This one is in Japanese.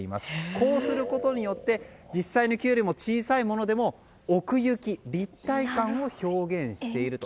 こうすることによって小さいものでも奥行き、立体感を表現していると。